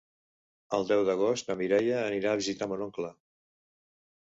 El deu d'agost na Mireia anirà a visitar mon oncle.